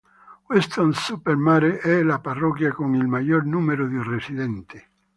Weston-super-Mare è la parrocchia con il maggior numero di residenti.